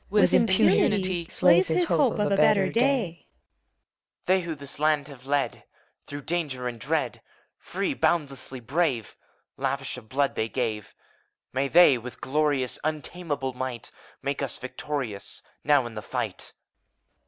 With impunity Slays his hope of a better day. 180 FAUST. EUPHORION. They, who this land have led Through danger and dread, Free, boundlessly brave. Lavish of blood they gave, — May they, with glorious Untamable might. Make us victorious. Now, in the fight!